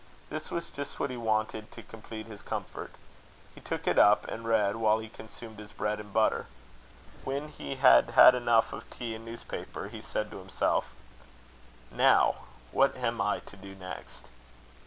This was just what he wanted to complete his comfort. He took it up, and read while he consumed his bread and butter. When he had had enough of tea and newspaper, he said to himself: "Now, what am I to do next?"